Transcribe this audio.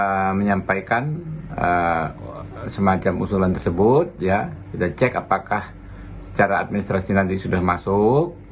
kita menyampaikan semacam usulan tersebut kita cek apakah secara administrasi nanti sudah masuk